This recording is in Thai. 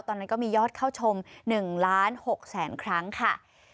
ตอนนั้นก็มียอดเข้าชม๑ล้าน๖แสนครั้งค่ะ